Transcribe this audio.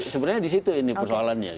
sebenarnya di situ ini persoalannya